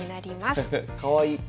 かわいい。